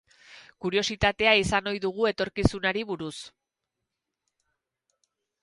Kuriositatea izan ohi dugu etorkizunari buruz.